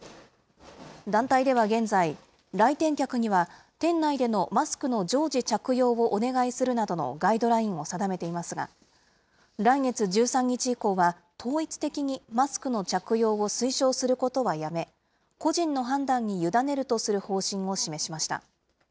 団体では現在、来店客には店内でのマスクの常時着用をお願いするなどのガイドラインを定めていますが、来月１３日以降は、統一的にマスクの着用を推奨することはやめ、個人の判断に委ねるとする方針を示しました。